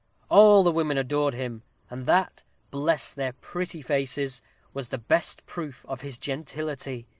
All the women adored him and that, bless their pretty faces! was the best proof of his gentility.